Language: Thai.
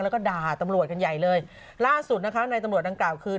แล้วก็ด่าตำรวจกันใหญ่เลยล่าสุดนะคะในตำรวจดังกล่าวคือ